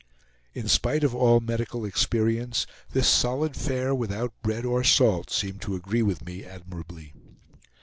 It spite of all medical experience, this solid fare, without bread or salt, seemed to agree with me admirably.